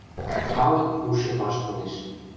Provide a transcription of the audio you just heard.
Халык пуше ваштылеш.